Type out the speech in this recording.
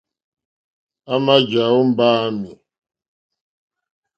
À mà jàwó mbáǃámì.